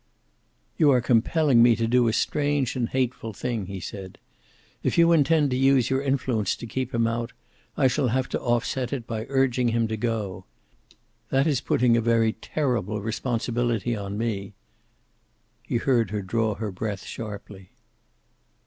"You are compelling me to do a strange and hateful thing," he said. "If you intend to use your influence to keep him out, I shall have to offset it by urging him to go. That is putting a very terrible responsibility on me." He heard her draw her breath sharply.